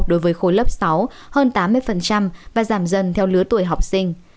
đối với khối lớp sáu hơn tám mươi và giảm dần theo lứa tuổi học sinh